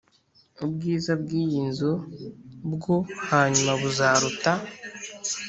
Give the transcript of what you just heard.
Ubwiza bw iyi nzu bwo hanyuma buzaruta